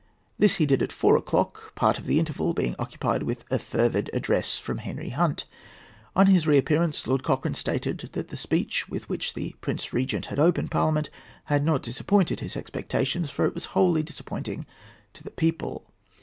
This he did at four o'clock, part of the interval being occupied with a fervid address from Henry Hunt. On his reappearance, Lord Cochrane stated that the speech with which the Prince Regent had opened Parliament had not disappointed his expectations, for it was wholly disappointing to the people.